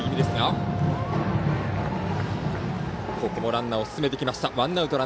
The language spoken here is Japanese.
ランナーを進めてきました。